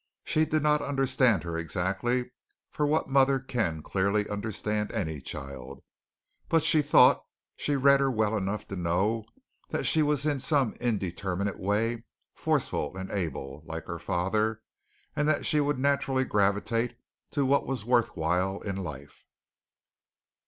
She did not understand her exactly, for what mother can clearly understand any child; but she thought she read her well enough to know that she was in some indeterminate way forceful and able, like her father, and that she would naturally gravitate to what was worth while in life.